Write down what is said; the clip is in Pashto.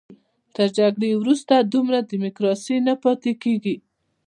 تر جګړې وروسته دومره ډیموکراسي نه پاتې کېږي.